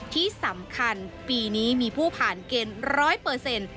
ที่สำคัญปีนี้มีผู้ผ่านเกณฑ์๑๐๐